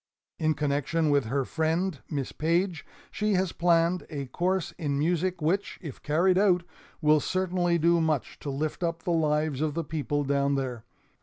In connection with her friend Miss Page she has planned a course in music which, if carried out, will certainly do much to lift up the lives of the people down there.